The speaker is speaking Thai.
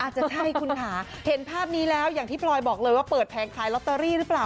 จะใช่คุณค่ะเห็นภาพนี้แล้วอย่างที่พลอยบอกเลยว่าเปิดแผงขายลอตเตอรี่หรือเปล่า